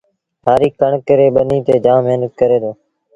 هآريٚ ڪڻڪ ريٚ ٻنيٚ تي جآم مهنت ڪري دو